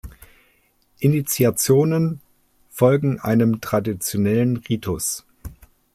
Initiationen folgen einem traditionellen Ritus.